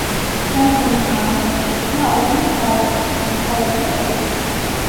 შემდგომში გამოცემული იქნა ალბომის სხვა ვერსია, განსხვავებული ყდით.